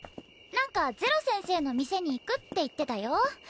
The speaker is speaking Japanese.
何かゼロ先生の店に行くって言ってたよ